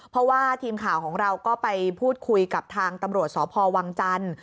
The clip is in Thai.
เพราะว่าทีมข่าวของเราก็ไปพูดคุยกับทางตำรวจสพวังจันทร์